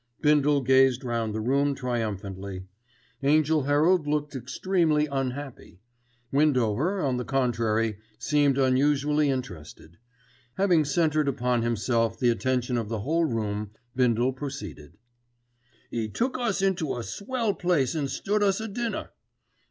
Bindle gazed round the room triumphantly. Angell Herald looked extremely unhappy. Windover, on the contrary, seemed unusually interested. Having centred upon himself the attention of the whole room Bindle proceeded, "'E took us into a swell place an' stood us a dinner.